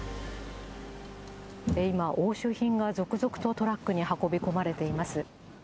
今、押収品が続々とトラックに運び込まれています。